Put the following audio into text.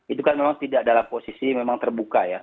itu kan memang tidak dalam posisi memang terbuka ya